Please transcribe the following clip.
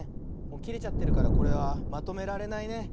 きれちゃってるからこれはまとめられないね。